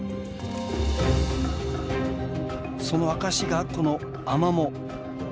その証しがこのアマモ。